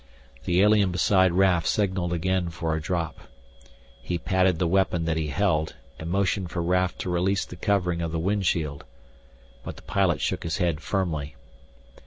The alien beside Raf signaled again for a drop. He patted the weapon that he held and motioned for Raf to release the covering of the windshield. But the pilot shook his head firmly.